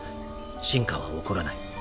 進化は起こらない。